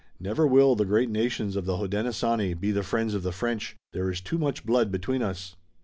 Never will the great nations of the Hodenosaunee be the friends of the French. There is too much blood between us."